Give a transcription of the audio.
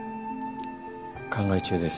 考え中です。